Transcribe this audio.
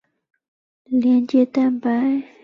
连接蛋白。